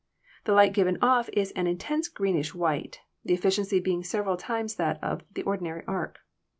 The light given off is an intense greenish white, the efficiency being several times that of the ordinary arc.